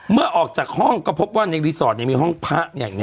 เมื่อออกจากห้องก็พบว่าในรีสอร์ทมีห้องพระ